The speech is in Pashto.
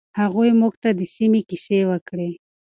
هغوی موږ ته د سیمې کیسې وکړې.